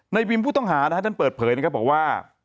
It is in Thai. ในบิมพุทธองหาท่านเปิดเผยบอกว่า